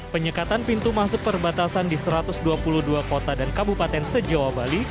penyekatan pintu masuk perbatasan di satu ratus dua puluh dua kota dan kabupaten se jawa bali